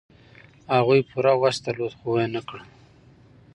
هغوی پوره وس درلود، خو و نه کړ.